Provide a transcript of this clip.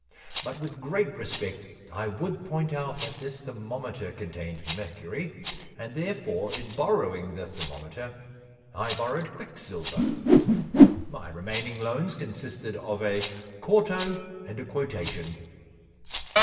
But with great respect I would point out that this thermometer con tained mercury, and therefore in borrowing the thermometer I borrowed quicksilver. My remaining loans consisted of a quarto and a quotation.'